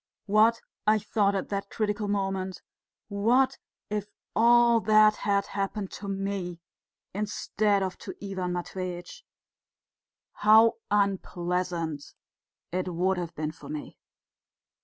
"What," I thought at that critical moment, "what if all that had happened to me instead of to Ivan Matveitch how unpleasant it would have been for me!"